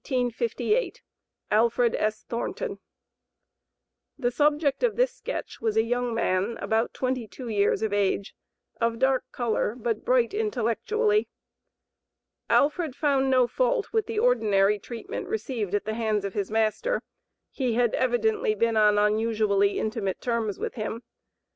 ALFRED S. THORNTON. The subject of this sketch was a young man about twenty two years of age, of dark color, but bright intellectually. Alfred found no fault with the ordinary treatment received at the hands of his master; he had evidently been on unusually intimate terms with him.